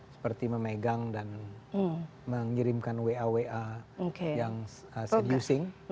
seperti memegang dan mengirimkan wa wa yang sedusing